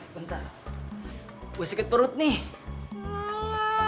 bentar gue sedikit perut nih